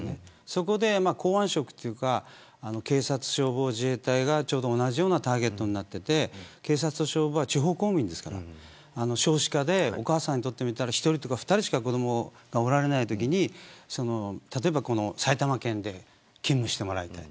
そこで公安職というか警察、消防、自衛隊が同じようなターゲットとなっていて警察、消防は地方公務員ですから少子化でお母さんにとってみたら１人しか２人しか子どもがいないときに例えば埼玉県で勤務してもらいたい。